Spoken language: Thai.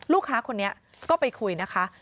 ลูกค้าคนนี้ก็ไปคุยนะคะ